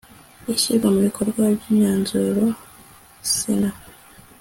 Ishyirwa mu bikorwa ry imyanzuro SENA